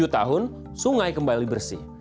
tujuh tahun sungai kembali bersih